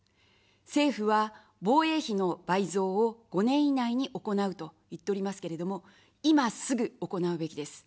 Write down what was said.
政府は、防衛費の倍増を５年以内に行うといっておりますけれども、今すぐ行うべきです。